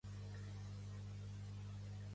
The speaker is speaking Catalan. Pertany al moviment independentista el Josep Maria?